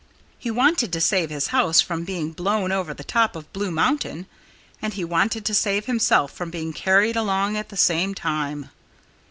He wanted to save his house from being blown over the top of Blue Mountain. And he wanted to save himself from being carried along at the same time.